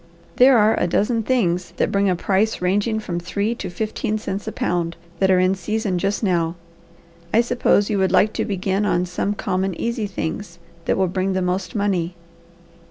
"There are a dozen things that bring a price ranging from three to fifteen cents a pound, that are in season just now. I suppose you would like to begin on some common, easy things, that will bring the most money."